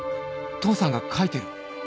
父さんが書いてる